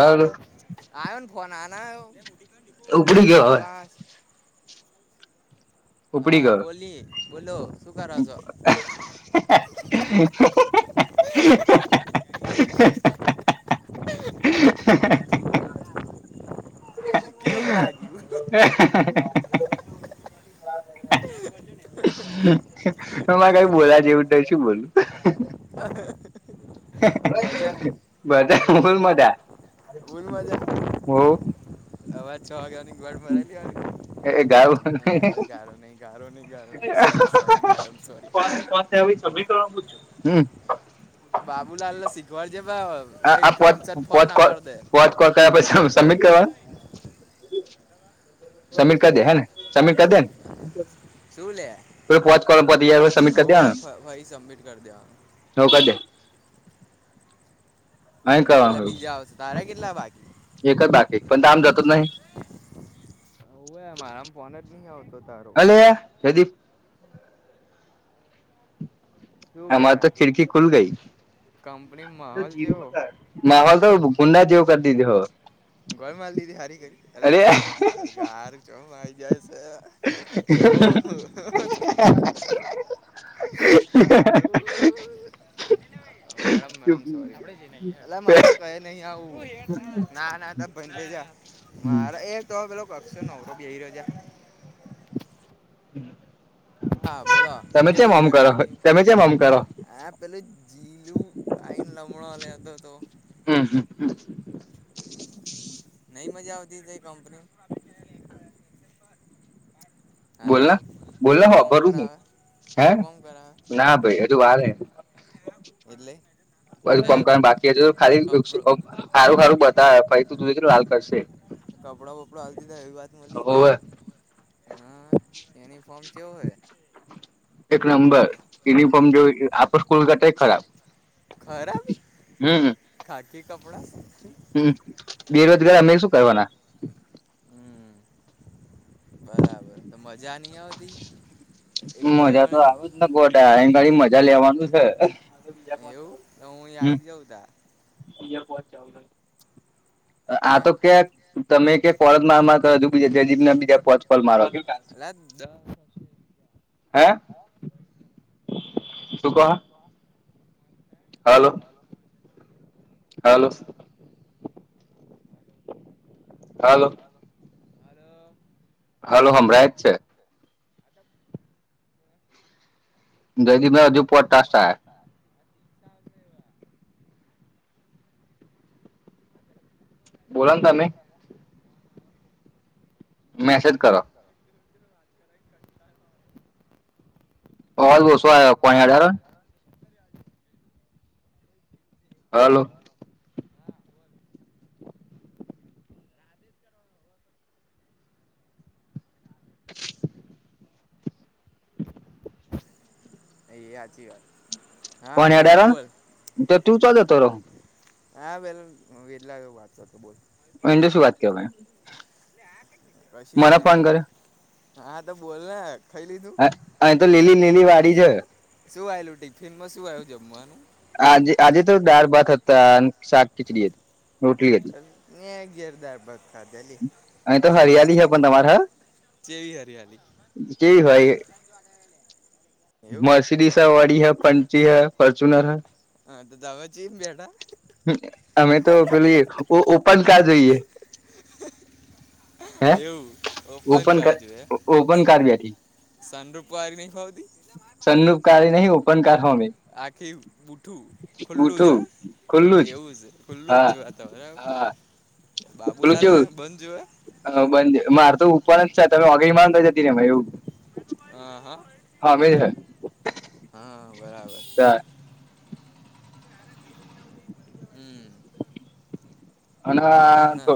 હાલો આવ્યો ને ફોન આના આવ્યો ઉપડી ગયો હોવે હા બોલી બોલો એજ હમાં કઈ બોલા જેવું ન શું બોલું હા હા મઝા ફુલ મઝા વો. અવાજ છ વાગ્યાની ગડ મરાયેલી એટ ગારો નહ ગારો હા હા હા હા સે સમીકર પૂછું હમ બાબુલાલને શીખવાડ જવા હ આ પો પોત કોલ પોત કોલ કર્યા પછી સમી સમીર કદે હેને સમીર કદે! પ પોોચ કર પચ હાર સમીટ કર દે. જો કાળે. હ પેલા બીજા આવશે તારા કેટલા બાકી એક જ બાકી પણ દ આામ જત જ નહી. હવું મારા આમ ફન જ નહી આવતો. અલ શદીપ અમારે તો ખિડકી ખુલ ગઈ. જીવ માહોલ તો ગુંડા જેીવ કર દીધ હો. ગોલ મારી દીધી હારી કરી એાર ચમ આવી જાય છે. હા હા હા હા હા. આ રૂહ જ મેડમ મેડમ સોરી મારે કઈ નહી આવું ના ના મારે એ તો પેલો કક્ષો નવરો બી રહ્યોજ હમ. હા બોલો કેવું છે કંપની. હ પેલું જીલું આઈ લમણ લેતો હતો. [inaudible] નહી મજા આવતી હતી કંપની. બોલા બોલા હો ભરું હું. હે ના ભાઈ એજું વાલે હ. એલ્લી બધું કમકણ બાકી હ ખાલી સારું ખારું બતાવે ત કપડા વપડા હલતી થાય એવી વાત મળ હા નિફોમ કેવ હય. એક નંબર જો આપડ સ્કૂલ કરતાય ખરાબ. ખરાબ? ખાકી કપડા. હ બેરોજગારી અમે શું કરવાના. હમ બરાબર. મજા તો આવજ ને ગોટા એ ગાડી મજા લેવાનું છે. એવું તો હું આવી આવી જાઉં તા. બહત ચાલ ર. આ તો ક તમે ક કોલજ માર માર બીજા જેજી ના બીજા પોત કોલ મારો. હે? સુ ક. હાલો. હાલો હાલો. હલો હમરા છે. [inaudible] દદી મેજ પ ટાસ. હ ત્રીસ આવશે એવા. આપલા. બોલો તમે. [unintelligible] અ બ શું કોણ હજાર હાલો બોલ રાતેે જ કરવાનો એ આચી વાત કોણી ડાર તો તું ચોાલતો રો હા વે વેટલા વાતો હતો બોલ ડો શું વાત કેય કશ નહી હા તો બોલના અહી તો લીલી લીલી વાડી છે શું આવેલું ટિફિનમાં શું આવ્યું જમવાનું આજે આજે તો દાળ ભાત હતા અને શાક ખીચડી હતી રોટલી હતી ગેરદાબદ ખા્યલી અહીં તો હરિયાળી છે પણ તમારા હ કેવી હોઈ મર્સિડીસ હ વડી હૈ પંચી હૈ ફોર્ચ્યુનર હૈ હા તો દવા છે ભેડા અમે તો પેલી ઓપન કા જોઈએ એવું ઓપન કાળજવે સડ્રુપરી સંપકારી નહી હો આખી બૂઠું ખુલ્લું જ એવું જ ખુલ્લું જ જોવા ત બરાબર પેલું છે હ બંધ માર તુ ઉપર ઉપર જ થ તમે અગયમાન તો જતી એવું આ હા હા મેં હૈ હા બરાબર હમ ના ના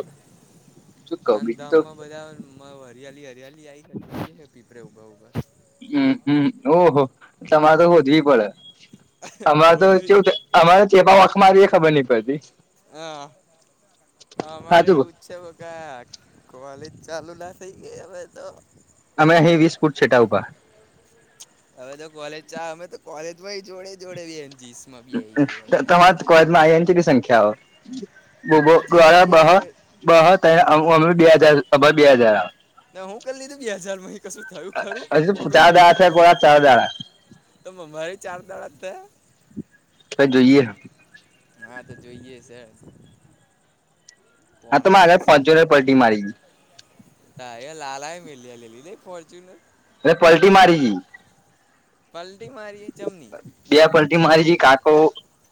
ના ધામમાં બધા હરિયાલી દરેલી આઈ ખાજ પીપરે ઉ ઉ હમમ ઓહો તમારે તો શોધવી પડે અમારે તોવ અમારે ચેપા વખ મારી એ ખબર નહ પડતી હા અમારે એવું જ છે કે કોલેજ ચાલુ ના થઈ ગઈ હવે તો અમે અહી વીસ ફૂટ છેટા ઉપર રા અમે તો કોલેજમાં જોડે જોડે બી એમ તમારે કોજમાં આ એ કેટલી સંખ્યાઓ બ બ બે હજ બે હજાર બે હજાર આવે ના હું કરી લીધું બે હજાર કશું થયું ખરું કંકોડું તો મમમારી ચાર દણાત થ જોઈએ હા તો જોઈએ છે હા તો આગળ પાંચોને પલ્ટટી મારીઈ તા એ લાલાય મેલી લ ફોર્ચ્યુનર મે પલટી મારી ગઈ પલ્ બે પલટી મારી જે કાકો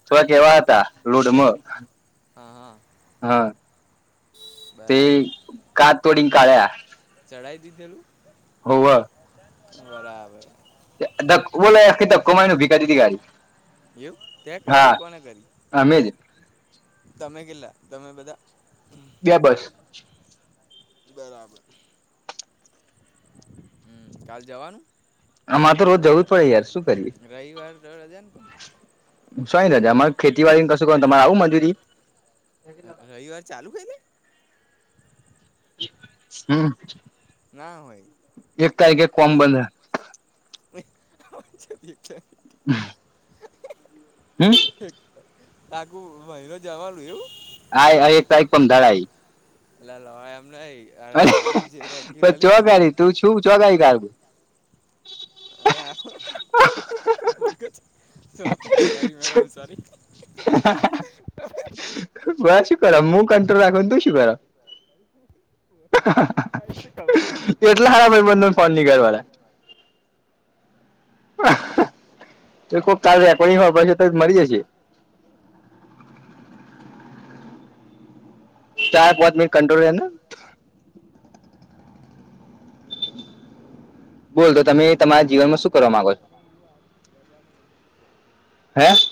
થોડા કેવા હતા લોડ મા હા તે ક તોડી કળ્યા લાઇ દીધેલું હોવ બોલ કે ધક્કો મારીન ઊભી કરી દીધેલી ગાડી ગાડી એવું ત કરી કોને કરી તમે ગિલ્લા તમે બધા બે બસ બરાબર હમ કાલ જવાનું આમાંરે તો રોજ જવું જ પડે યાર શું કરીએ શોની રજા અમારે ખેતીવાડી ને કશું ક તમારે આવું મજૂરીએ રવિવાર ચાલુ છે હમ એક તારીખે કોમ બંધ [inaudible] હ આખું મહિનો જવાનું એવું આય આય એક તારીખ પમધાડ આઈ અલ્યા એમ રવિવાર ની જે રગી રહલી એની વાત કર હલે આ સ સોરી મેડમ સોરી તો બસી કર મુું ક તોું શું [inaudible] ખબરટલાાઈ ફોન કરવાળ તો ખબ કાલ રેકોર્ડિંગ હો પ છે તો મરી જશે વારી વારી હા બોલો બોલ તો તમે તમારી રજા ન એમ પૂછતો છ જો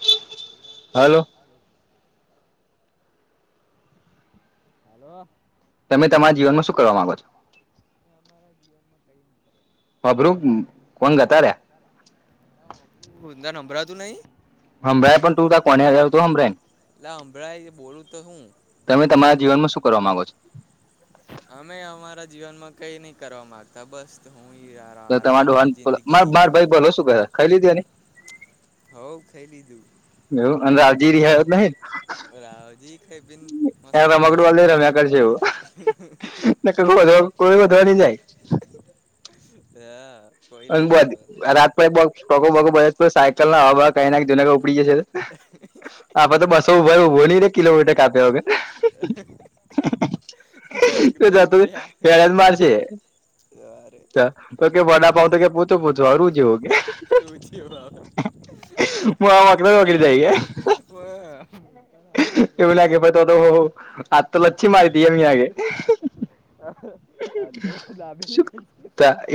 હ દૈવા ની રજા નવ પૂ હલો તમે તમારા જીવનમાં શું કરવા માંગો છો મેં અમારા જીવનમાં કઈ નઈ કરવા માંગતા ફ તન હંભ રાતુ નહી હમભરાય પણ તું તો કોનેઅડા ર તું હભરાય તમે તમારા જીવનમાં શું કરવા માંગો છો અમે અમારા જીવનમાં કઈ નઈ કરવા મામાંગતા બસ તો તમાર ડોહા ન માર ભઈ ભલો શું કરે ખાઇ લીધું એણે હ ખાઈ લીધું એવું રાવજી રિહયો તો નહીં રાવજી ખાઈ બીન મસ્ત ફરસ ના ગધવા કો ગધવાની જાય હા ધ રાત ટકો બકો બ સાયકલ ના હવા કાડી નાખજે નકર ઉપડી જ છે આપડ તો બસો ઉભા ઉઊભો નહી રે કિલો મીટર કાપ્યા વગર [inaudible] જતું પેડલ મારશે તો કે મોડા સારું જેવ રુચિ હ વાગે શ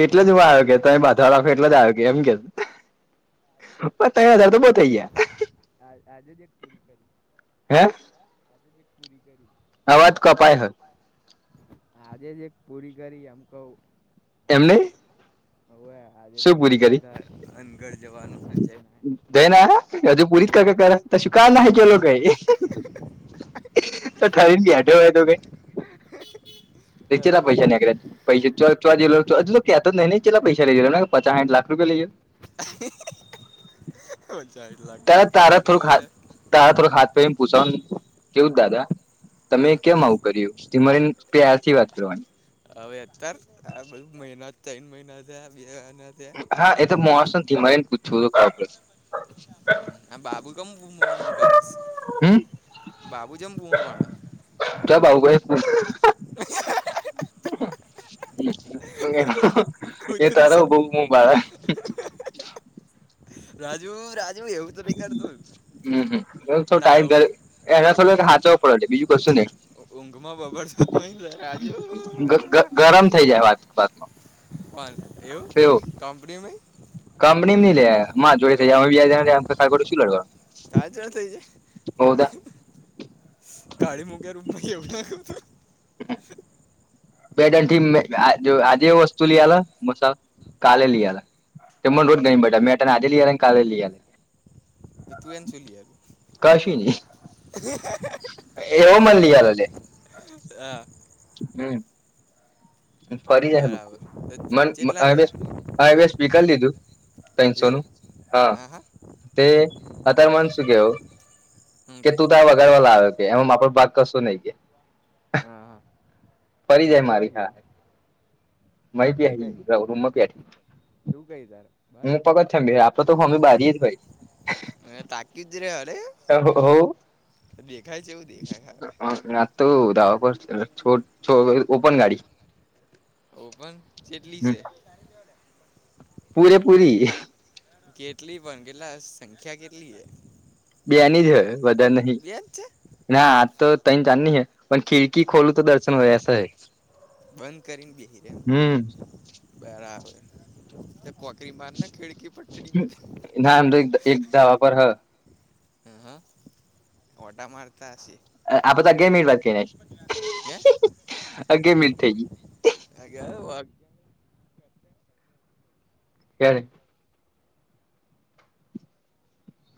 એટલે જ હ આવ્યો કે ત બાંધાઓ રાખો એટલો જ આવ્યો કે એમ કે [inaudible] [unintelligible] આજે બી એક પૂરી કરી હે જે જે પૂરી કરી અવાજ કપાય હો પુરી કરી એમ કવ એમને શું પૂરી કરી અનગઢ [inaudible] [unintelligible] [unintelligible] [unintelligible] [inaudible] તારા તારા થોડુંક તારા થોડોક હાથ [unintelligible] કેવું દાદા તમે કેમ આવું કર્યું ધીમરીને પ્યારથી વાત કરવાની. હવે અતાર આ બધું મહિના તન મહિના જેવા [unintelligible] હા એ તો [unintelligible] આ બાબુ કેમ [unintelligible] બાબુજમ બૂમો પાડે [inaudible] [inaudible] રાજુ રાજુ હમ્મ [unintelligible] કશું નઈ ગ ગ ગરમ થઇ જાય વાત વાતમાં. કોન એવું કંપનીમેં કંપની નઈ લે [unintelligible] શું લડવાનું ચાચડ થઈ છે કાળી મૂક્યા રૂમ માં એવું [unintelligible] [unintelligible] મસાલ કાલે લઈ આ [unintelligible] કાશી ની [unintelligible] હમ્મ ફરી જાય [unintelligible] સ્વીકાર લીધું તનસો નું હા તે આતા મનસું કેવ કે તું તા [unintelligible] કશું નહી કે ફરી જાય મારી હા [unintelligible] હું પગથિયે [unintelligible] આપડે તો હોમી બારી એજ હોઈ અને તાકી જ રે અરે દેખાય છે એવું દેખાય ખાલી તો દાવા પર છો છો ઓપન ગાડી ઓપન કેટલી સે પૂરે પૂરી કેટલી પણ કેટલા સંખ્યા કેટલી એ બેની જ હ વધારે નહી ના આ તો તઈન ચારની હ પણ ખિડકી ખોલું તો દર્શન હો જાય એસા હૈ. બંધ કરીને [unintelligible] બરાબર એ કોકરી મારને ખીડકી ના એમ તો એક ધાવા પર હ હમ્મ હમ્મ [unintelligible] માર આપ તો અગિયાર મિનિટ વાત કરી નાખી. અગયાર મિનટ થઈ ગઇ. કેી [unintelligible]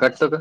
કટ શક.